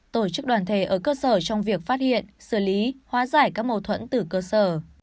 tổ chức đoàn thể ở cơ sở trong việc phát hiện xử lý hóa giải các mâu thuẫn từ cơ sở